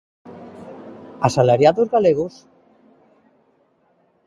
¿Asalariados galegos?